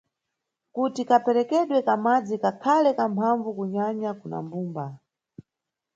Kuti kaperekedwe ka madzi kakhale kamphambvu kunyanya kuna mbumba.